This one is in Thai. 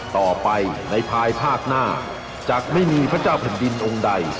ต่อไปในภายภาคหน้าจะไม่มีพระเจ้าแผ่นดินองค์ใด